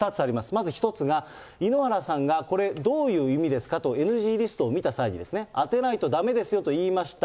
まず１つが、井ノ原さんがこれ、どういう意味ですかと、ＮＧリストを見た際に、当てないとだめですよと言いました。